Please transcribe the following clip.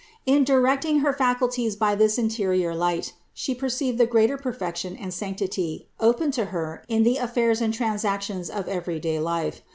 In directing Her faculties by this interior 434 CITY OF GOD light, She perceived the greater perfection and sanctity open to Her in the affairs and transactions of every day life.